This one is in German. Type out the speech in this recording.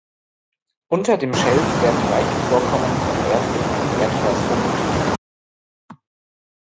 Unter dem Schelf werden reiche Vorkommen von Erdöl und Erdgas vermutet.